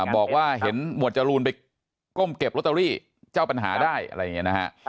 บอกว่าเห็นหมวดจรูนไปก้มเก็บลอตเตอรี่เจ้าปัญหาได้อะไรอย่างนี้นะฮะ